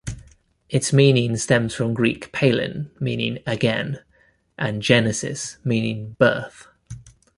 Its meaning stems from Greek "palin", meaning "again", and "genesis", meaning "birth".